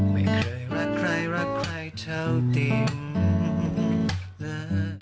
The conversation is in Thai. มันเคยรักเว้ยรักเว้ยเฒาติง